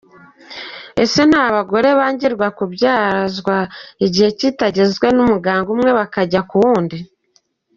Ese nta bagore bangirwa kubyazwa igihe kitageze n’umuganga umwe bakajya ku wundi ?.